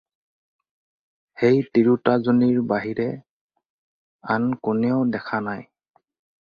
সেই তিৰোতাজনীৰ বাহিৰে আন কোনেও দেখা নাই।